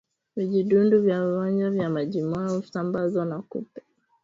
Vijidudu vya ugonjwa wa majimoyo husambazwa na kupe